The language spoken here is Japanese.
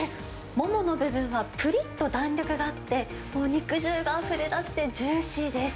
ももの部分はぷりっと弾力があって、肉汁があふれ出してジューシーです。